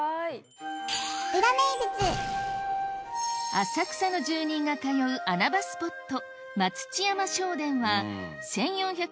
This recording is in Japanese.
浅草の住人が通う穴場スポット